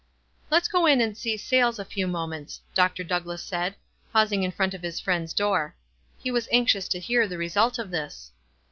"Let's go in and see Sayles a few moments," Dr. Douglass said, pausing in front of his friend's door. " He was anxious to hear the result of this."